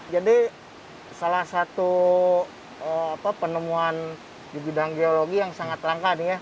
jadi salah satu penemuan di bidang geologi yang sangat rangka nih ya